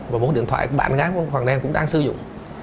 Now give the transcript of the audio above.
và một điện thoại bạn gái của hoàng đen cũng đang sử dụng